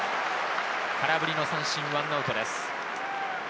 空振りの三振、１アウトです。